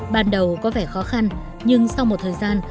ban đầu có vẻ khó khăn nhưng sau một thời gian